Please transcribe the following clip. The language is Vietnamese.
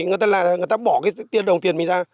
người ta bỏ cái đồng tiền mình ra